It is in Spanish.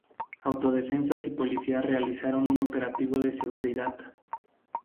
Autodefensas y policías realizaron un operativo de seguridad.